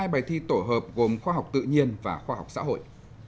hai bài thi tổ hợp gồm khoa học tự nhiên và khoa học xã hội